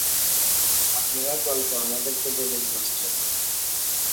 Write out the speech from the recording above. আপনার গল্প আমাদেরকে বলুন, মাস্টার।